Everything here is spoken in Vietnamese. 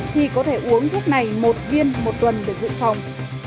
thì có thể uống thuốc này một viên một tuần để dự phòng